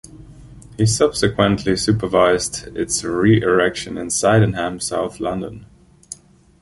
He subsequently supervised its re-erection in Sydenham, south London.